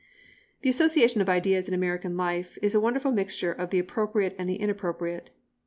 The association of ideas in American life is a wonderful mixture of the appropriate and the inappropriate.